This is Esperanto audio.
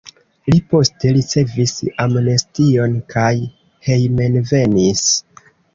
Li poste ricevis amnestion kaj hejmenvenis.